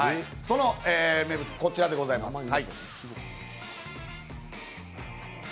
その名物、こちらでございます。